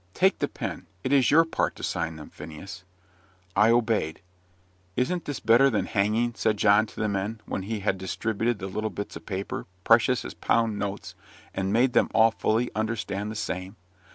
Take the pen. It is your part to sign them, Phineas." I obeyed. "Isn't this better than hanging?" said John to the men, when he had distributed the little bits of paper precious as pound notes and made them all fully understand the same.